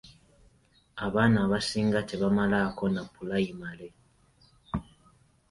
Abaana abasinga tebamalaako na pulayimale.